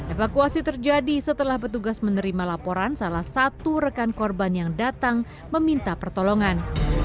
evakuasi terjadi setelah petugas menerima laporan salah satu rekan korban yang datang meminta pertolongan